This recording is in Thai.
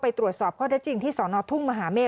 ตรวจสอบข้อได้จริงที่สอนอทุ่งมหาเมฆ